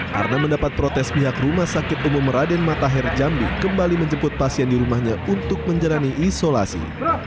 karena mendapat protes pihak rumah sakit umum raden matahir jambi kembali menjemput pasien di rumahnya untuk menjalani isolasi